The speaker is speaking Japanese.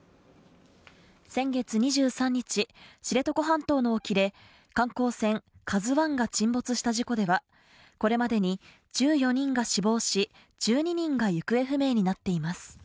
先月２３日、知床半島の沖で観光船「ＫＡＺＵⅠ」が沈没した事故ではこれまでに１４人が死亡し、１２人が行方不明になっています。